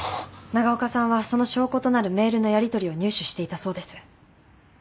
長岡さんはその証拠となるメールのやりとりを入手していたそうです。